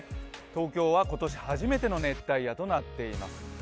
東京は今年初めての熱帯夜となっています。